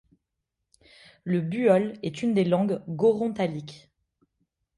Le buol est une des langues gorontaliques.